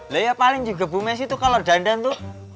lah ya paling juga bu messy tuh kalau dandan tuh